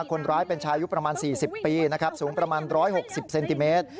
คนร้ายเป็นชายุคประมาณ๔๐ปีนะครับสูงประมาณ๑๖๐เซนติเมตร